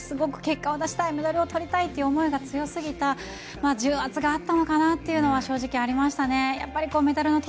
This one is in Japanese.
メダルをとりたいという思いが強すぎた、重圧があったのかなというのが正直ありましたね。